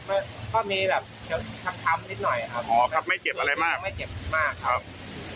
ก็ก็มีแบบช้ำนิดหน่อยครับอ๋อครับไม่เจ็บอะไรมากไม่เจ็บมากครับ